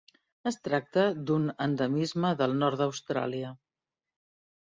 Es tracta d'un endemisme del nord d'Austràlia.